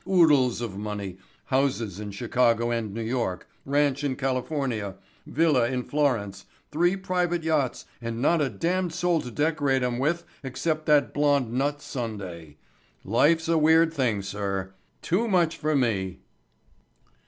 Oodles of money, houses in Chicago and New York, ranch in California, villa in Florence, three private yachts and not a damned soul to decorate 'em with except that blond nut sundae. Life's a weird thing, sir. Too much for me."